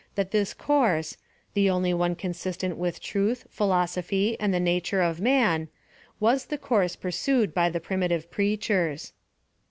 that this course— the only one consistent with truth, philosophy, and the nature of man — was the course pursued by the primitive preachers.